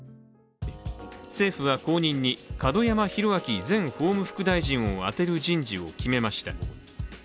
政府は後任に門山宏哲前法務副大臣を充てる人事を決めました。